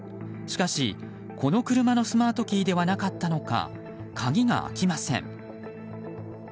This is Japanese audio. しかし、この車のスマートキーではなかったのか鍵が開きません。